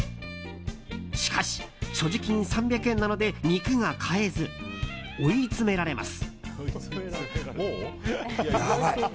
しかし、所持金３００円なので肉が買えず追い詰められます。